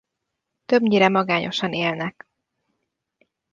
Többnyire magányosan élnek.